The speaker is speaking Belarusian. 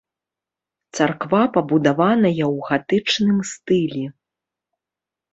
Царква пабудаваная ў гатычным стылі.